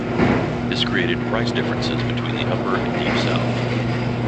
This created price differences between the Upper and Deep South.